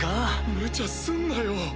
むちゃすんなよ。